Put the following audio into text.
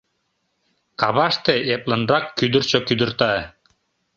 Каваште эплынрак кӱдырчӧ кӱдырта.